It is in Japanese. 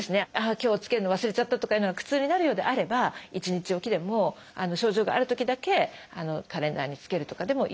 今日つけるの忘れちゃったとかいうのが苦痛になるようであれば一日置きでも症状があるときだけカレンダーにつけるとかでもいいと思います。